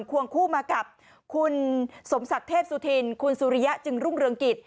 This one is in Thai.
ควงคู่มากับคุณสมศักดิ์เทพสุธินคุณสุริยะจึงรุ่งเรืองกิจ